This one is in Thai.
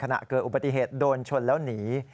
ขณะเกิดอุบัติเหตุโดนชนแล้วหนี